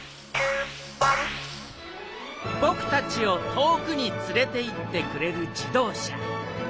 ぼくたちを遠くにつれていってくれる自動車。